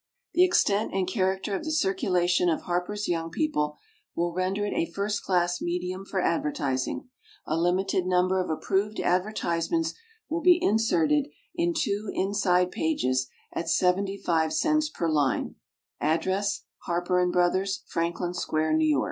The extent and character of the circulation of HARPER'S YOUNG PEOPLE will render it a first class medium for advertising. A limited number of approved advertisements will be inserted on two inside pages at 75 cents per line. Address HARPER & BROTHERS, Franklin Square, N. Y.